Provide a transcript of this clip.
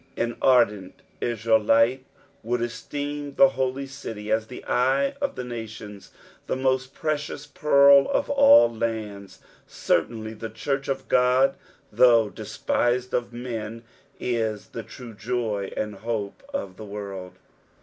An ardent Israelite would esteem the holy city as the eye of the nations, the most precious pearl of all lands. Certainly the church of God, though despised of men, is the true joy and hope of the world.